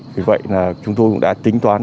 vì vậy chúng tôi cũng đã tính toán